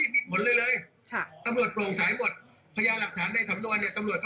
ภาพศพแผล